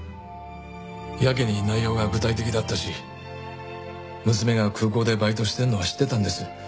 やけに内容が具体的だったし娘が空港でバイトしてるのは知ってたんです。